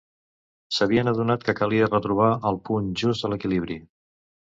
S'havien adonat que calia retrobar el punt just de l'equilibri.